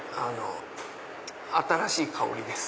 新しい香りです。